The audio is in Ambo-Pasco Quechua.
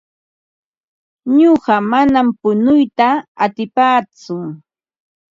Nuqa manam punuyta atipaatsu.